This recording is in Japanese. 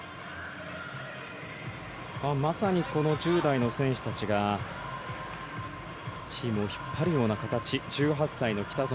まさにこの１０代の選手たちがチームを引っ張る形１８歳の北園。